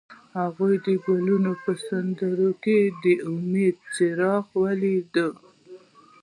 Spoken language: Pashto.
هغه د ګلونه په سمندر کې د امید څراغ ولید.